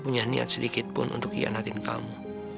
saya tidak akan punya niat sedikitpun untuk hianatin kamu